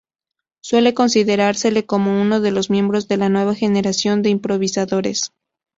Suele considerársele como uno de los miembros de la nueva generación de improvisadores.